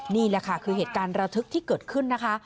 นี่แหละค่ะคือเหตุการณ์ระทึกที่เกิดขึ้นนะคะ